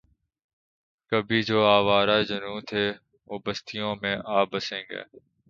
کبھی جو آوارۂ جنوں تھے وہ بستیوں میں آ بسیں گے